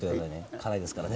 辛いですからね。